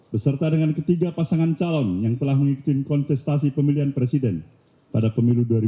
beserta dengan ketiga pasangan calon yang telah mengikuti kontestasi pemilihan presiden pada pemilu dua ribu sembilan belas